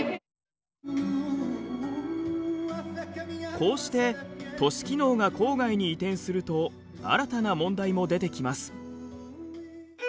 こうして都市機能が郊外に移転すると新たな問題も出てきます。